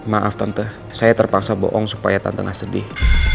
maaf tante saya terpaksa bohong supaya tante nggak sedih